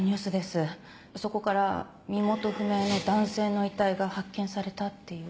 そこから身元不明の男性の遺体が発見されたっていう。